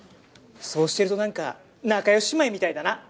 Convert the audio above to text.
そうしてるとなんか仲良し姉妹みたいだな。